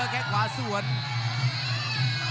คอยทร่องก่างขวาและแบบจ้อนไปกงานขวา